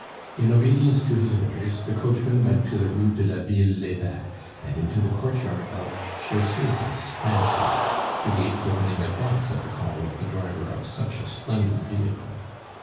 In obedience to his orders, the coachman went to the Rue de la Ville l'Eveque, and into the courtyard of Josepha's mansion, the gates opening at once at the call of the driver of such a splendid vehicle.